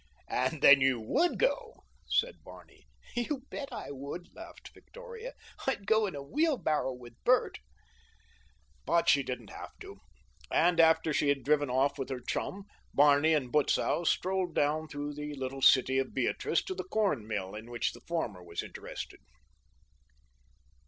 "And then you WOULD go," said Barney. "You bet I would," laughed Victoria. "I'd go in a wheelbarrow with Bert." But she didn't have to; and after she had driven off with her chum, Barney and Butzow strolled down through the little city of Beatrice to the corn mill in which the former was interested.